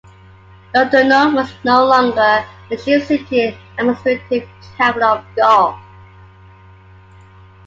Lugdunum was no longer the chief city and administrative capital of Gaul.